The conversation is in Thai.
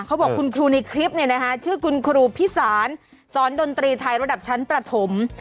เขาบอกคุณครูในคลิปชื่อคุณครูพิสารสอนดนตรีไทยระดับชั้นประถม